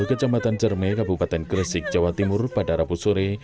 kejambatan cermek kabupaten kresik jawa timur pada rabu sore